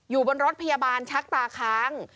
อยู่บนรถพยาบาลชักตาค้าง